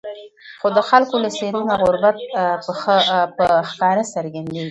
خو د خلکو له څېرو نه غربت په ښکاره څرګندېږي.